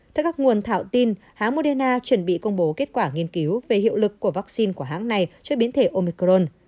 theo các nguồn thảo tin hãng moderna chuẩn bị công bố kết quả nghiên cứu về hiệu lực của vaccine của hãng này cho biến thể omicron